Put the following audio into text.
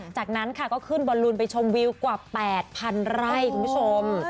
จากนั้นค่ะก็ขึ้นบอลลูนไปชมวิวกว่า๘๐๐๐ไร่คุณผู้ชม